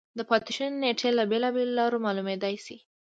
د پاتې شونو نېټه له بېلابېلو لارو معلومېدای شي.